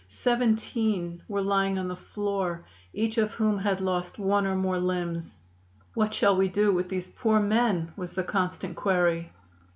Seventeen were lying on the floor, each of whom had lost one or more limbs. 'What shall we do with these poor men?' was the constant query.